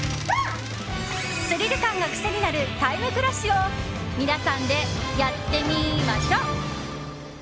スリル感が癖になるタイムクラッシュを皆さんでやってみましょ！